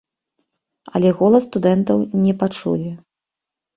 Але голас студэнтаў не пачулі.